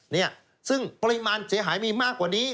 เนี่ยซึ่งปริมาณเสียหายมีมากกว่านี้